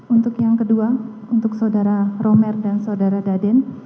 untuk yang kedua untuk saudara romer dan saudara daden